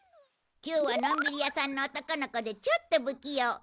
キューはのんびり屋さんの男の子でちょっと不器用